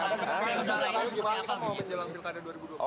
pak wahyu gimana kamu mau menjelang pilkada dua ribu dua puluh